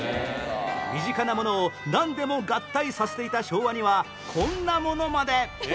身近なものをなんでも合体させていた昭和にはこんなものまで